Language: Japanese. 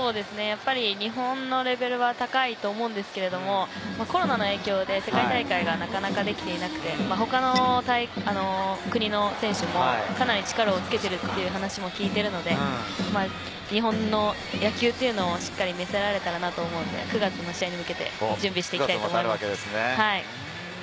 日本のレベルは高いと思うんですけれど、コロナの影響で世界大会がなかなかできなくて、他の国の選手もかなり力をつけているという話を聞いているので、日本の野球をしっかり見せられたらと思うので、９月の試合に向けて準備していきたいと思います。